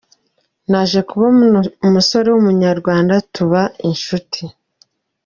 Naje kubona umusore w’Umunyarwanda tuba inshuti.